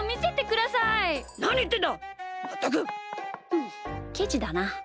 ふんケチだな。